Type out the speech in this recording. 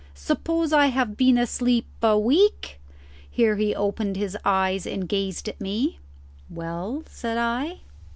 Suppose I have been asleep a week?" Here he opened his eyes and gazed at me. "Well?" said I.